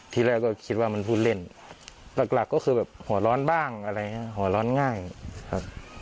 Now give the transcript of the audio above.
ที่แรกก็คิดว่ามันพูดเล่นหลักหลักก็คือแบบหัวร้อนบ้างอะไรอย่างนี้หัวร้อนง่ายครับ